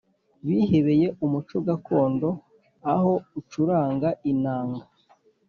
bihebeye umuco gakondo aho acuranga Inanga